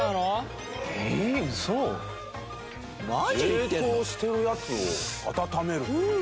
冷凍してるやつを温める。